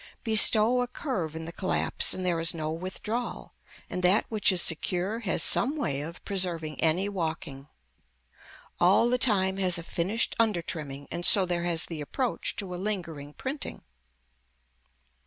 Bestow a curve in the collapse and there is no withdrawal and that which is secure has some way of preserving any walking. All the time has a finished undertrimming and so there has the approach to a lingering printing.